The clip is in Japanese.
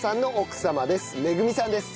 めぐみさんです。